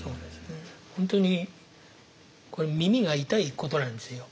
本当にこれ耳が痛いことなんですよ。